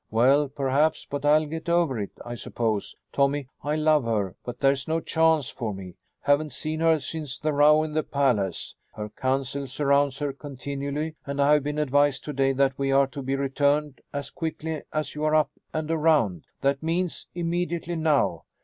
"Well, perhaps. But I'll get over it, I suppose. Tommy, I love her. But there's no chance for me. Haven't seen her since the row in the palace. Her council surrounds her continually and I have been advised to day that we are to be returned as quickly as you are up and around. That means immediately now."